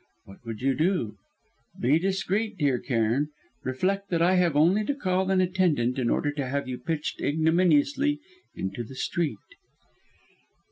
"What would you do? Be discreet, dear Cairn; reflect that I have only to call an attendant in order to have you pitched ignominiously into the street."